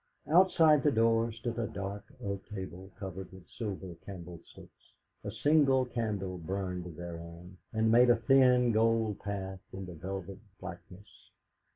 Outside the door stood a dark oak table covered with silver candlesticks; a single candle burned thereon, and made a thin gold path in the velvet blackness.